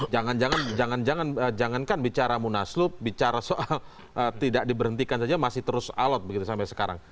jangan jangan jangan jangan jangankan bicara munaslup bicara soal tidak diberhentikan saja masih terus alat begitu sampai sekarang